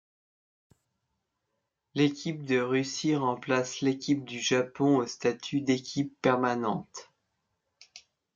L'équipe de Russie remplace l'équipe du Japon au statut d'équipe permanente.